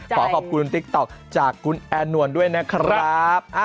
ขอขอบคุณติ๊กต๊อกจากคุณแอนวลด้วยนะครับ